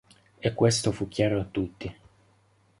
E questo fu chiaro a tutti.